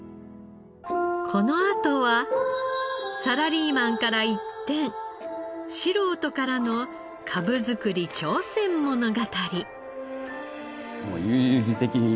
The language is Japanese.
このあとはサラリーマンから一転素人からのかぶ作り挑戦物語。